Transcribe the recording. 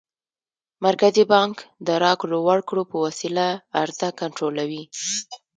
مرکزي بانک د راکړو ورکړو په وسیله عرضه کنټرولوي.